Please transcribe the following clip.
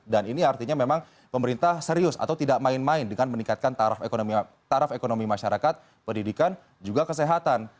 dan ini artinya memang pemerintah serius atau tidak main main dengan meningkatkan taraf ekonomi masyarakat pendidikan juga kesehatan